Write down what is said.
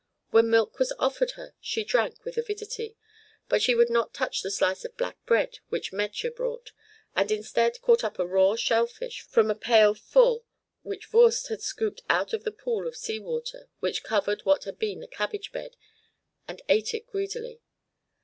When milk was offered her, she drank with avidity; but she would not touch the slice of black bread which Metje brought, and instead caught up a raw shell fish from a pail full which Voorst had scooped out of the pool of sea water which covered what had been the cabbage bed, and ate it greedily.